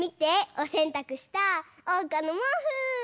おせんたくしたおうかのもうふ！